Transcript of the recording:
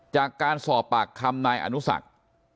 จากการสอบปากคำนายอนุสัก